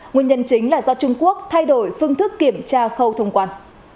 nguyên nhân chính là do trung quốc thay đổi phương thức kiểm tra khâu thông quan